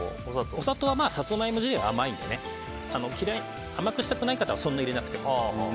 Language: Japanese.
お砂糖はサツマイモ自体が甘いので甘くしたくない方はそんなに入れなくても。